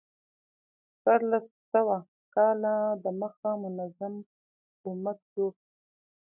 څوارلس سوه کاله د مخه منظم امت جوړ شو.